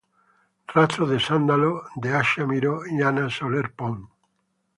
Rastros de sándalo, de Asha Miró y Anna Soler-Pont